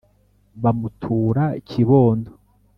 bamutura kibondo